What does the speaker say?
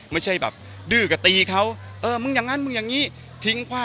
ไม่ใช่แบบดื้อก็ตีเค้า